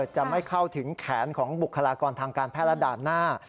จะไม่เข้าถึงแขนของบุคลากรทางการแพทย์และด่านหน้า